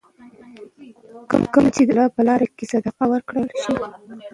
کوم چې د الله په لاره کي صدقه کړل شي .